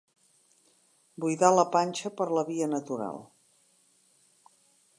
Buidar la panxa per la via natural.